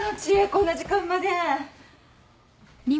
こんな時間まで。